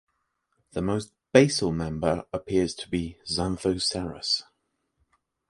The most basal member appears to be "Xanthoceras".